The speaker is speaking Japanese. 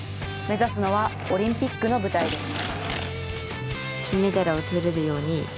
目指すのはオリンピックの舞台です。